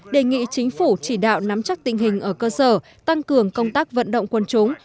đề nghị chính phủ chỉ đạo nắm chắc tình hình ở cơ sở tăng cường công tác vận động quân chúng